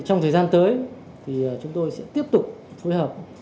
trong thời gian tới thì chúng tôi sẽ tiếp tục phối hợp